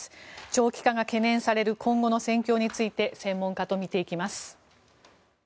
長期化が懸念される今後の戦況について専門家と見ていきます。